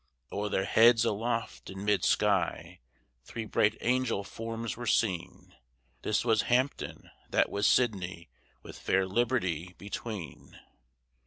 O'er their heads aloft in mid sky, Three bright angel forms were seen; This was Hampden, that was Sidney, With fair Liberty between.